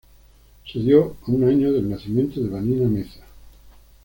Se dio a un año del nacimiento de Vanina Meza.